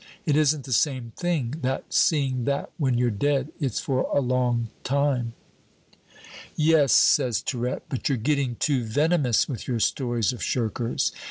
It isn't the same thing, that, seeing that when you're dead, it's for a long time." "Yes," says Tirette, "but you're getting too venomous with your stories of shirkers.